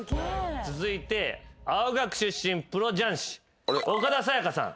続いて青学出身プロ雀士岡田紗佳さん。